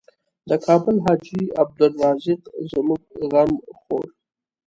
د کابل حاجي عبدالرزاق زموږ غم خوړ.